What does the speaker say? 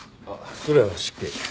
それは失敬。